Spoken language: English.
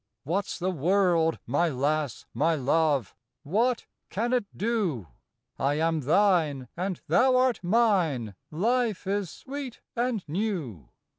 What's the world, my lass, my love !— what can it do ? I am thine, and thou art mine ; life is sweet and new.